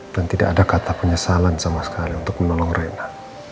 dan tidak ada kata penyesalan sama sekali untuk menolong reina